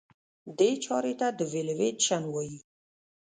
دې چارې ته Devaluation وایي.